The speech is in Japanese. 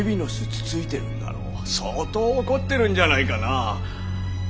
相当怒ってるんじゃないかな。